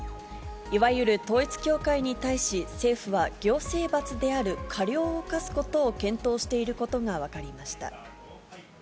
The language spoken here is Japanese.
いわゆる統一教会に対し、政府は行政罰である過料を科すことを検討していることが分かりました。